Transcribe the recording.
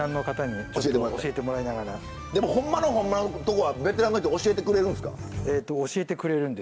でもほんまのほんまのとこはベテランの人教えてくれるんすか？